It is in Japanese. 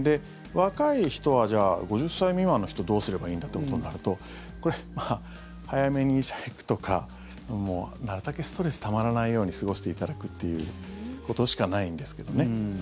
若い人は、５０歳未満の人はどうすればいいんだってなるとこれ、早めに医者へ行くとかもう、なるたけストレスがたまらないように過ごしていただくってことしかないんですけどね。